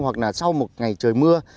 hoặc là sau một ngày trời mưa